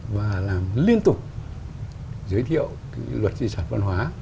và làm liên tục giới thiệu luật trị sản văn hóa